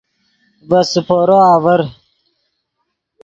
ڤے سیپورو آڤر